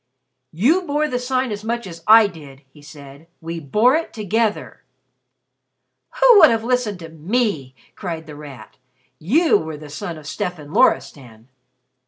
"You bore the Sign as much as I did," he said. "We bore it together." "Who would have listened to me?" cried The Rat. "You were the son of Stefan Loristan."